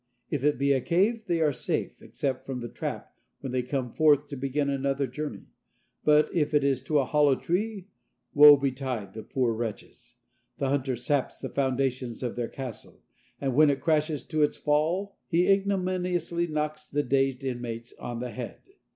If it be a cave, they are safe except from the trap when they come forth to begin another journey; but if it is a hollow tree, woe betide the poor wretches. The hunter saps the foundation of their castle, and when it crashes to its fall he ignominiously knocks the dazed inmates on the head.